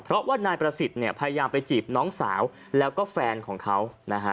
เพราะว่านายประสิทธิ์พยายามไปจีบน้องสาวแล้วก็แฟนของเขานะฮะ